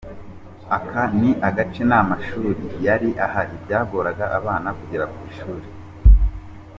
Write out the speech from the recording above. Aka ni agace nta mashuri yari ahari byagoraga abana kugera ku mashuri.